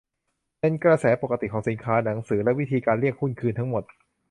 เป็นกระแสปกติของสินค้า หนังสือ และวิธีการเรียกหุ้นคืนทั้งหมด